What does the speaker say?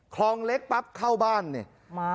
คลองเล็กปั๊บเข้าบ้านเนี่ย